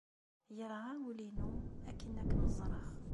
Yerɣa wul-inu akken ad kem-ẓreɣ.